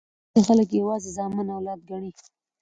ځیني خلګ یوازي زامن اولاد ګڼي.